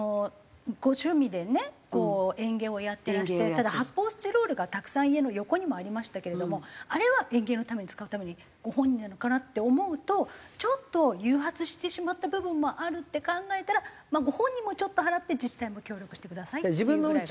ただ発泡スチロールがたくさん家の横にもありましたけれどもあれは園芸のために使うためにご本人なのかなって思うとちょっと誘発してしまった部分もあるって考えたらご本人もちょっと払って自治体も協力してくださいっていうぐらいがいいのかな。